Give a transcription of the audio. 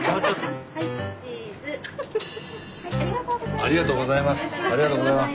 ありがとうございます。